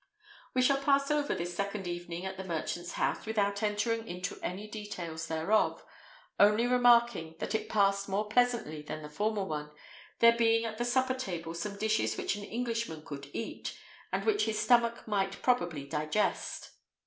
We shall pass over this second evening at the merchant's house without entering into any details thereof, only remarking that it passed more pleasantly than the former one, there being at the supper table some dishes which an Englishman could eat, and which his stomach might probably digest.